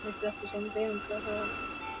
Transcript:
Bantu mu tanganika bana lobaka na ma boti